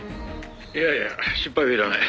「いやいや心配はいらない。